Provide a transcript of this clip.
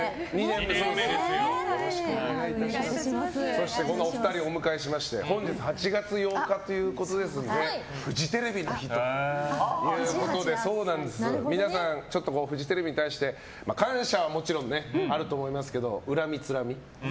そしてこのお二人をお迎えしまして本日８月８日フジテレビの日ということで皆さん、フジテレビに対して感謝はもちろんあると思いますけど恨み、つらみ。